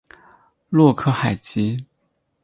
洛克海吉。